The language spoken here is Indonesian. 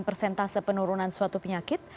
persentase penurunan suatu penyakit